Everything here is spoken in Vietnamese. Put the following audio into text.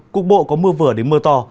cục bộ có mưa vừa đến mưa to